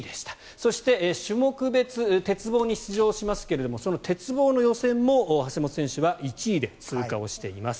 そして、種目別鉄棒に出場しますけどその鉄棒の予選も橋本選手は１位で通過をしています。